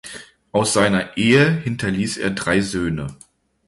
Aus seiner Ehe hinterließ er drei Söhne.